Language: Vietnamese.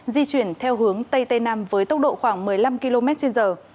di chuyển theo hướng tây tây nam với tốc độ khoảng một mươi năm km trên giờ